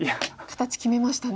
形決めましたね。